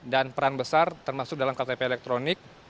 dan peran besar termasuk dalam ktp elektronik